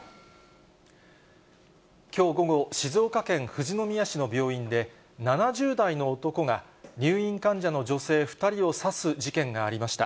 きょう午後、静岡県富士宮市の病院で７０代の男が入院患者の女性２人を刺す事件がありました。